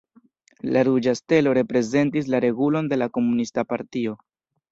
La ruĝa stelo reprezentis la regulon de la Komunista Partio.